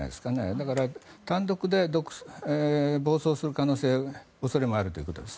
だから、単独で暴走する可能性恐れもあるということです。